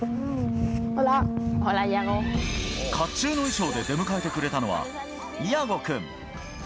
甲冑の衣装で出迎えてくれたのはイアゴ君。